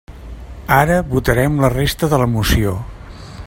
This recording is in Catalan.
Ara votarem la resta de la moció.